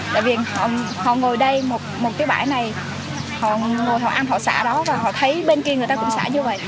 tại vì họ ngồi đây một cái bãi này họ ăn họ xả đó và họ thấy bên kia người ta cũng xả như vậy